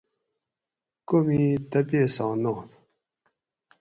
کومی تپیساں نات